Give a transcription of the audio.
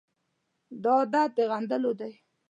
دا عادت د غندلو دی.